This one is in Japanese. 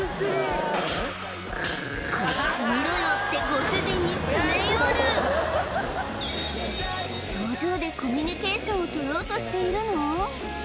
こっち見ろよってご主人に詰め寄る表情でコミュニケーションを取ろうとしているの？